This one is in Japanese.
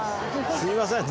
すみません。